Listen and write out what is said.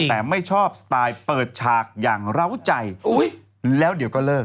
แต่ไม่ชอบสไตล์เปิดฉากอย่างเหล้าใจแล้วเดี๋ยวก็เลิก